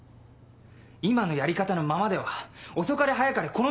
今のやり方のままでは遅かれ早かれ